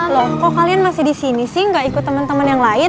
loh kok kalian masih di sini sih gak ikut temen temen yang lain